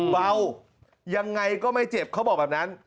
เบายังไงก็ไม่เจ็บเขาบอกแบบนั้น